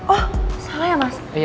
oh salah ya mas